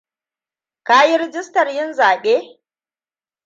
Ka yi rijstar yin zaɓe?